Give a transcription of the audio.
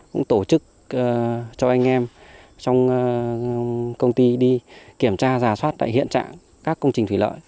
cũng tổ chức cho anh em trong công ty đi kiểm tra giả soát tại hiện trạng các công trình thủy lợi